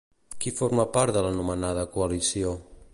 Qui forma part de l'anomenada coalició?